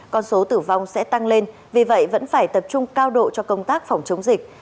con số tử vong sẽ tăng lên vì vậy vẫn phải tập trung cao độ cho công tác phòng chống dịch